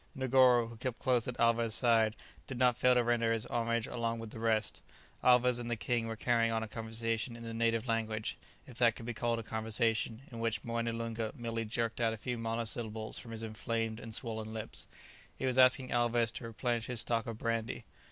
Negoro, who kept close at Alvez' side, did not fail to render his homage along with the rest. Alvez and the king were carrying on a conversation in the native language, if that could be called a conversation in which Moené Loonga merely jerked out a few monosyllables from his inflamed and swollen lips. He was asking Alvez to replenish his stock of brandy.